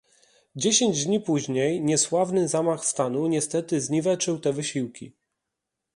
Dziesięć dni później niesławny zamach stanu niestety zniweczył te wysiłki